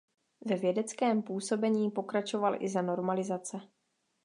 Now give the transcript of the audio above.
Ve vědeckém působení pokračoval i za normalizace.